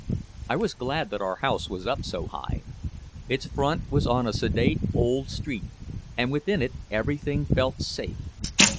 I was glad that our house was up so high. Its front was on a sedate old street, and within it everything felt safe.